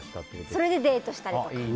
それでデートしたりとか。